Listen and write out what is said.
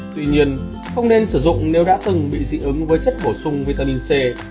tuy nhiên không nên sử dụng nếu đã từng bị dị ứng với chất bổ sung vitamin c